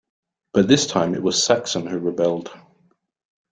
But this time it was Saxon who rebelled.